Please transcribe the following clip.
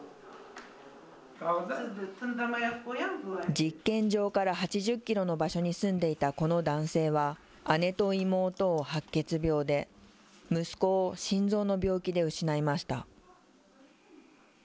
実験場から８０キロの場所に住んでいたこの男性は、姉と妹を白血病で、息子を心臓の病気で失いました。